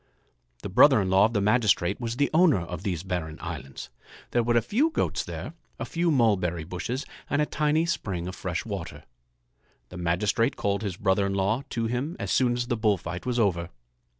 The brother in law of the magistrate was the owner of these barren islands. There were a few goats there, a few mulberry bushes, and a tiny spring of fresh water. The magistrate called his brother in law to him as soon as the bull fight was over.